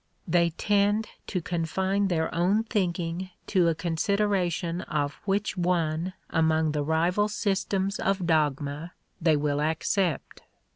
They tend to confine their own thinking to a consideration of which one among the rival systems of dogma they will accept.